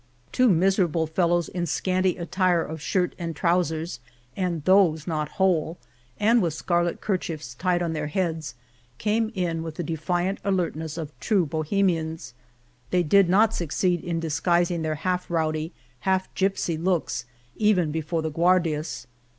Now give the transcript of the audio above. Two miserable fellows in scanty attire of shirt and trousers, and those not whole, and with scarlet kerchiefs tied on their heads, came in with the defiant alertness of true Bo hemians. They did not succeed in disguising their half rowdy, half gypsy looks even before the Guardias.